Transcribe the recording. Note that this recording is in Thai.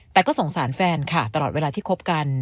แต่ก็สงสารแฟนค่ะตลอดเวลาที่คบกัน